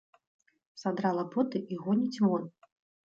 Садрала боты і гоніць вон.